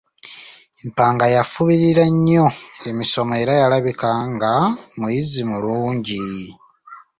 Mpanga yafubirira nnyo emisomo era yalabika nga muyizi mulungi.